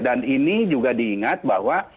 dan ini juga diingat bahwa